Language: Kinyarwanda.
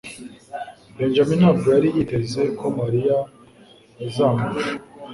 Benjamin ntabwo yari yiteze ko Mariya azamurusha.